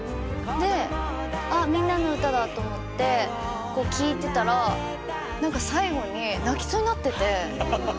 で「あっ『みんなのうた』だ」と思って聴いてたらなんか最後に泣きそうになってて。